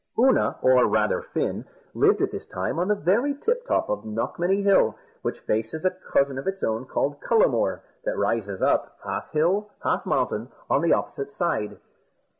Oonagh, or rather Fin, lived at this time on the very tip top of Knockmany Hill, which faces a cousin of its own called Cullamore, that rises up, half hill, half mountain, on the opposite side.